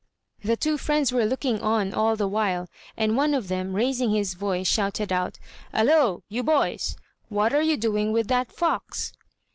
The two friends were looking on all the while, and one of them, raising his voice, shouted out, "Hallo! you boys! what are you doing with that fox?"